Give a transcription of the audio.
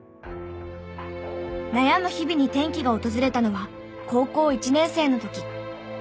悩む日々に転機が訪れたのは高校１年生の時。